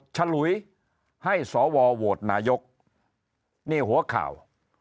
ฉลุยให้สวโหวตนายกนี่หัวข่าว